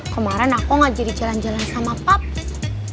kemaren aku ngajari jalan jalan sama paps